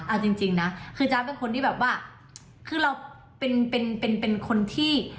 เอาจริงนะคือจ๊ะเป็นคนที่แบบว่าคือเราเป็นเป็นคนที่